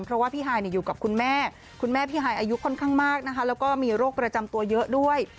เพราะว่าพี่ฮายอยู่กับคุณแม่คุณแม่พี่ฮายอายุค่อนข้างมากนะคะแล้วก็มีโรคประจำตัวเยอะด้วย